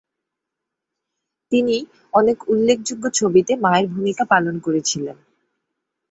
তিনি অনেক উল্লেখযোগ্য ছবিতে মায়ের ভূমিকা পালন করেছিলেন।